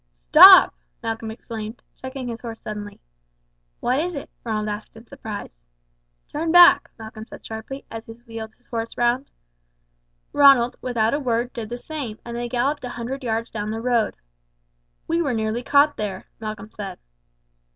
"Stop!" Malcolm exclaimed, checking his horse suddenly. "What is it?" Ronald asked in surprise. "Turn back!" Malcolm said sharply as he wheeled his horse round. Ronald, without a word, did the same, and they galloped a hundred yards down the road. "We were nearly caught there," Malcolm said.